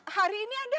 hari ini ada gak